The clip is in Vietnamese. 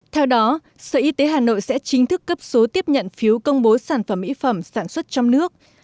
theo đó sở y tế hà nội sẽ chính thức cấp số tiếp nhận phiếu công bố sản phẩm mỹ phẩm sản xuất trong nước